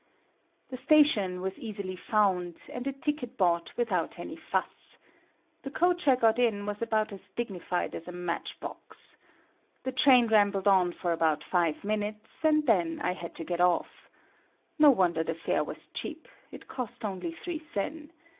The station was easily found, and a ticket bought without any fuss. The coach I got in was about as dignified as a match box. The train rambled on for about five minutes, and then I had to get off. No wonder the fare was cheap; it cost only three sen.